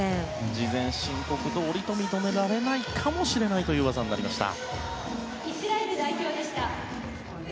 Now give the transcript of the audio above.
事前申告どおりと認められないかもしれないという技になりました。